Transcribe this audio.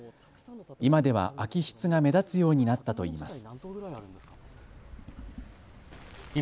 今では空き室が目立つようになったといいます。